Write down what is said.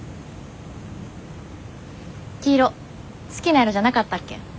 黄色好きな色じゃなかったっけ？